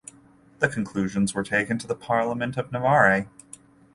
The conclusions were taken to the Parliament of Navarre.